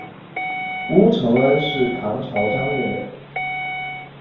乌承恩是唐朝张掖人。